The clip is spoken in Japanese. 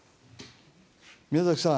宮崎さん